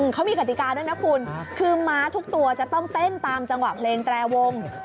เขามีกติกาด้วยนะคุณคือม้าทุกตัวจะต้องเต้นตามจังหวะเพลงแตรวง